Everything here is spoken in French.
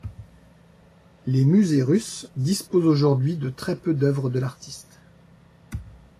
Les musées russes disposent aujourd'hui de très peu d'œuvres de l'artiste.